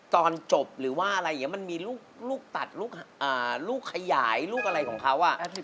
ตอนจบหรือว่าอะไรมันมีลูกตัดลูกขยายลูกอะไรของเขาอะ